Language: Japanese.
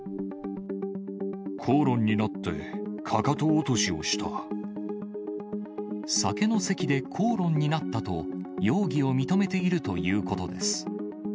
口論になって、かかと落とし酒の席で口論になったと、容疑を認めているということです。